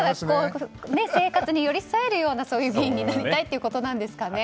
生活に寄り添えるような議員になりたいということなんですかね。